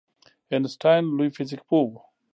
آینسټاین لوی فزیک پوه و